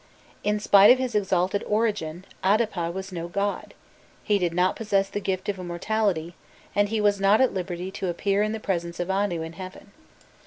In spite of his exalted origin, Adapa was no god; he did not possess the gift of immortality, and he was not at liberty to appear in the presence of Anu in heaven.